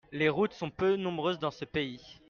Les routes sont peu nombreuses dans ce pays.